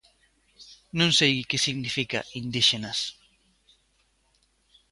Non sei que significa indíxenas.